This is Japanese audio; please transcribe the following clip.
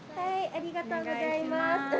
ありがとうございます。